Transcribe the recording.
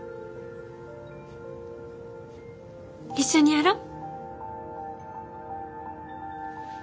一緒にやろう！